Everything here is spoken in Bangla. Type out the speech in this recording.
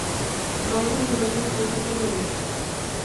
দলটির নির্বাচনী প্রতীক হল রিকশা।